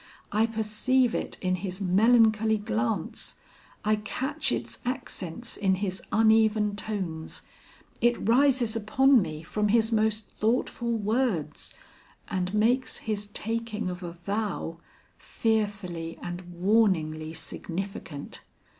I perceive it in his melancholy glance; I catch its accents in his uneven tones; it rises upon me from his most thoughtful words, and makes his taking of a vow fearfully and warningly significant.